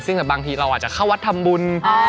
ซึ่งบางทีเราอาจจะเข้าวัดทำบุญ